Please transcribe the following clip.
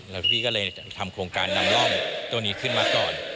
แล้วพี่ก็เลยทำโครงการนำร่องตัวนี้ขึ้นมาก่อน